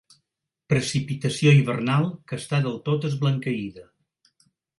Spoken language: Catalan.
Precipitació hivernal que està del tot esblanqueïda.